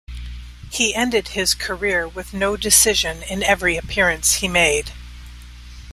He ended his career with a no decision in every appearance he made.